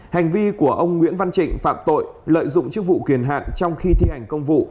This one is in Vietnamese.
hành vi của ông nguyễn văn trịnh phạm tội lợi dụng chức vụ kiền hạn trong khi thi hành công vụ